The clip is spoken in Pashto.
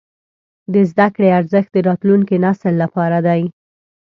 د زده کړې ارزښت د راتلونکي نسل لپاره دی.